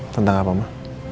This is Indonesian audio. tentang apa ma